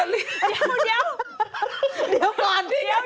เดี๋ยวก่อนเดี๋ยว